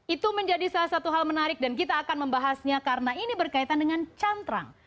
itu menjadi salah satu hal menarik dan kita akan membahasnya karena ini berkaitan dengan cantrang